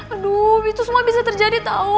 aduh itu semua bisa terjadi tau